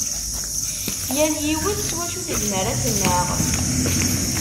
Yal yiwet s wacu tezmer ad tennaɣ.